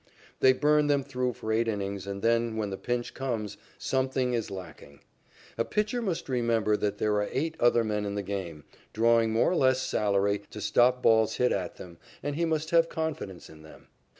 They burn them through for eight innings and then, when the pinch comes, something is lacking. A pitcher must remember that there are eight other men in the game, drawing more or less salary to stop balls hit at them, and he must have confidence in them.